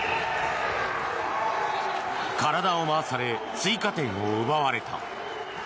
体を回され追加点を奪われた。